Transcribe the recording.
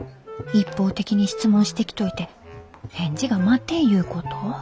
一方的に質問してきといて返事が待てんいうこと？